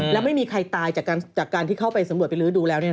แล้วไม่มีใครตายจากการที่เข้าไปสำรวจไปลื้อดูแล้ว